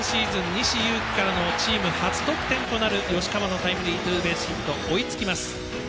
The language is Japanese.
西勇輝からのチーム初得点となる吉川のタイムリーツーベースヒット追いつきます。